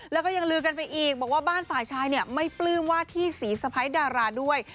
แล้วก็ยังลือกันไปอีกบอกว่าบ้านฝ่ายชายเนี่ยไม่ปลื้มว่าที่สีสะพ้ายดาราด้วย